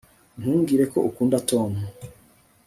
Ntumbwire ko ukunda Tom